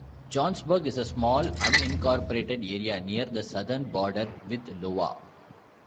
Johnsburg is a small unincorporated area near the southern border with Iowa.